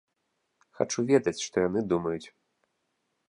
Хачу ведаць, што яны думаюць.